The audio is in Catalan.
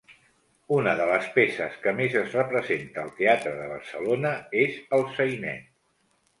Una de les peces que més es representa al Teatre de Barcelona és el sainet.